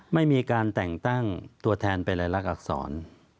ไม่มีการแต่งตั้งตัวแทนไปรายลักษร